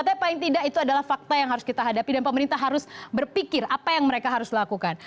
tapi paling tidak itu adalah fakta yang harus kita hadapi dan pemerintah harus berpikir apa yang mereka harus lakukan